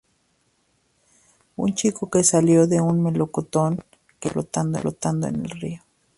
Un chico que salió de un melocotón que estaba flotando en el río.